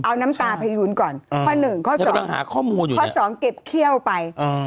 เอาน้ำตาพยูนก่อนข้อหนึ่งข้อสองเก็บเขี้ยวไป